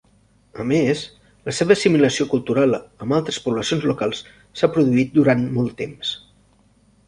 A més, la seva assimilació cultural amb altres poblacions locals s'ha produït durant molt temps.